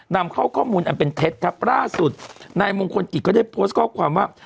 นำเข้าข้อมูลอันเป็นเท็จครับล่าสุดนายมงคลกิจก็ได้โพสต์ข้อความว่า